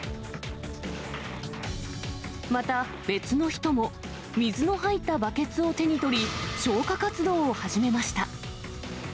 また、別の人も、水の入ったバケツを手に取り、消火活動を始めました。